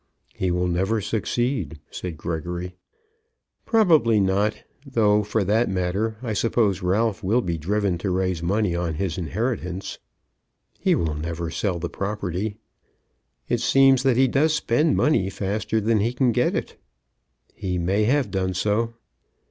"He will never succeed," said Gregory. "Probably not; though, for that matter, I suppose Ralph will be driven to raise money on his inheritance." "He will never sell the property." "It seems that he does spend money faster than he can get it." "He may have done so."